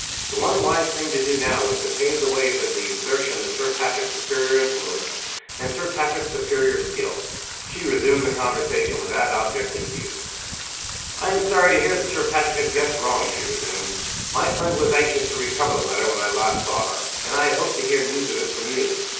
The one wise thing to do now was to pave the way for the exertion of Sir Patrick's superior influence, and Sir Patrick's superior skill. She resumed the conversation with that object in view. "I am sorry to hear that Sir Patrick has guessed wrong," she resumed. "My friend was anxious to recover the letter when I last saw her; and I hoped to hear news of it from you.